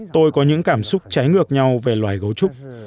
tôi có những cảm xúc trái ngược nhau về loài gấu trúc